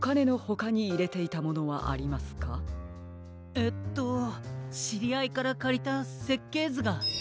えっとしりあいからかりたせっけいずが。